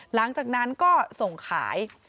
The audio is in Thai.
หลังจากนั้นก็ส่งขาย